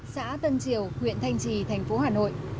xã tân triều huyện thanh trì tp hà nội